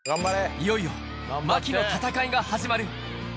いよいよ茉輝の戦いが始まる。